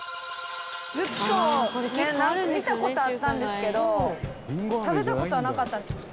ずっと見た事あったんですけど食べた事はなかった。